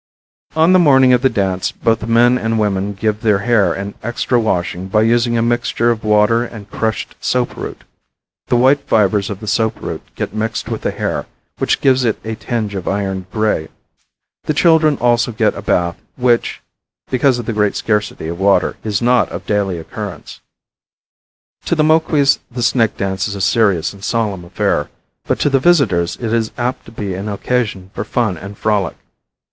On the morning of the dance both the men and women give their hair an extra washing by using a mixture of water and crushed soap root. The white fibers of the soap root get mixed with the hair, which gives it a tinge of iron gray. The children also get a bath which, because of the great scarcity of water, is not of daily occurrence. To the Moquis the snake dance is a serious and solemn affair, but to the visitors it is apt to be an occasion for fun and frolic.